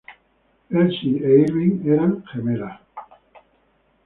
Elsie e Irving eran gemelas.